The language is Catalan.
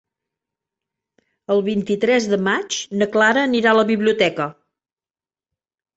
El vint-i-tres de maig na Clara anirà a la biblioteca.